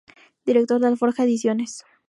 Director de "Alforja" Ediciones.